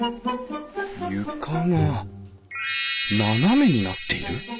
床が斜めになっている。